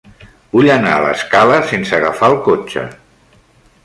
Vull anar a l'Escala sense agafar el cotxe.